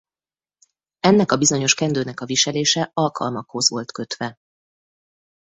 Ennek a bizonyos kendőnek a viselése alkalmakhoz volt kötve.